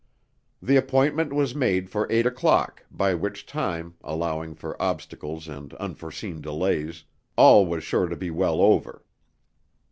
The appointment made was for eight o'clock, by which time, allowing for obstacles and unforeseen delays, all was sure to be well over.